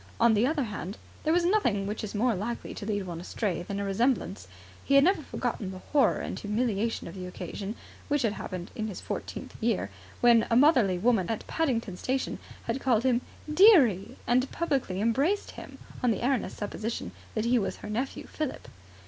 On the other hand, there is nothing which is more likely to lead one astray than a resemblance. He had never forgotten the horror and humiliation of the occasion, which had happened in his fourteenth year, when a motherly woman at Paddington Station had called him "dearie" and publicly embraced him, on the erroneous supposition that he was her nephew, Philip.